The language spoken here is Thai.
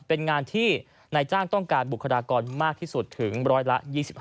เป็นงานที่นายจ้างต้องการบุคลากรมากที่สุดถึงร้อยละ๒๕